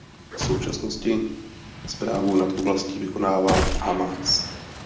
V současnosti správu nad oblastí vykonává Hamás.